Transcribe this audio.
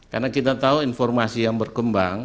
karena kita tahu informasi yang berkembang